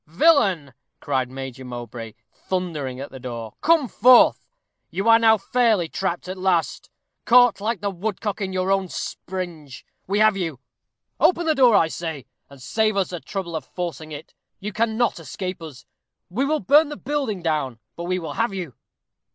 "Villain!" cried Major Mowbray, thundering at the door, "come forth! You are now fairly trapped at last caught like the woodcock in your own springe. We have you. Open the door, I say, and save us the trouble of forcing it. You cannot escape us. We will burn the building down but we will have you."